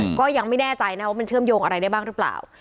ก็ยังไม่แน่ใจนะว่ามันเชื่อมโยงอะไรได้บ้างหรือเปล่า